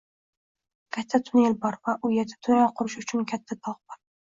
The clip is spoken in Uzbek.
Katta tunnel bor va u yerda tunnel qurish uchun katta tog‘ bor.